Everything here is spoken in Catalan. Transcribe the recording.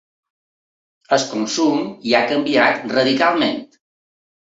El consum hi ha canviat radicalment.